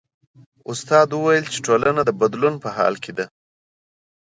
استاد وویل چې ټولنه د بدلون په حال کې ده.